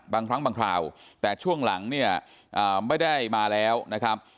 บางครั้งบางคราวแต่ช่วงหลังเนี่ยไม่ได้มาแล้วนะครับ